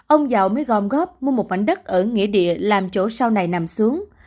ông dạo mới gom góp mua một mảnh đất ở nghĩa địa làm chỗ sau này nằm xuống